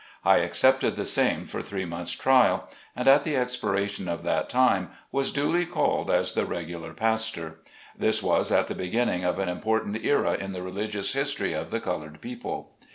I accepted the same for three months' trial, and at the expiration of that time was duly called as the regular pastor. This was at the beginning of an important era in the religious history of the colored people.